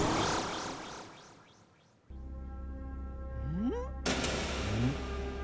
うん？